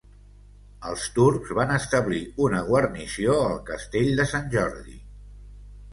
Els turcs van establir una guarnició al castell de Sant Jordi.